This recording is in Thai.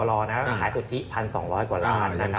รอนะขายสุทธิ๑๒๐๐กว่าล้านนะครับ